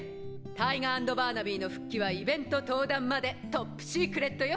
タイガー＆バーナビーの復帰はイベント登壇までトップシークレットよ！